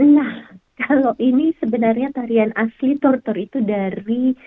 nah kalau ini sebenarnya tarian asli tortor itu dari